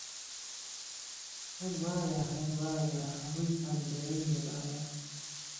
ههر وایه ههر وایه رووی پهنجهرهی له بایه